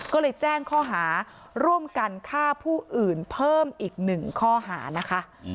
ก็เลยแจ้งข้อหาร่วมกันฆ่าผู้อื่นเพิ่มอีกหนึ่งข้อหานะคะ